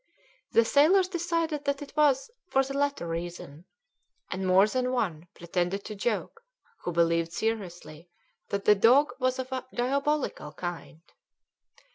The sailors decided that it was for the latter reason, and more than one pretended to joke who believed seriously that the dog was of a diabolical kind.